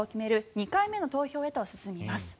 ２回目の投票へと進みます。